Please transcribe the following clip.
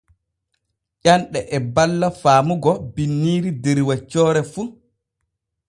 Ƴanɗe e balla faamugo binniiri der weccoore fu.